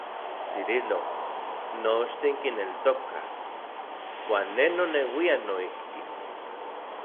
Cirilo, nochtin kineltokaj, uan ne noneuian noijki.